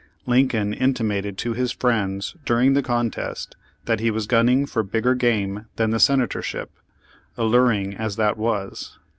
Lincoln intimated to his friends dur ing the contest that he was gunning for bigger game than the Senatorship, alluring as that was.